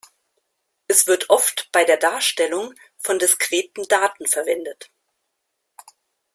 Es wird oft bei der Darstellung von diskreten Daten verwendet.